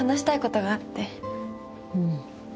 うん。